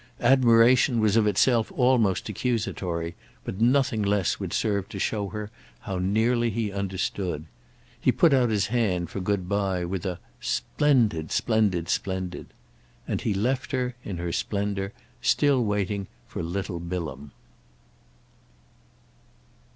Admiration was of itself almost accusatory, but nothing less would serve to show her how nearly he understood. He put out his hand for good bye with a "Splendid, splendid, splendid!" And he left her, in her splendour, still waiting for little Bilham.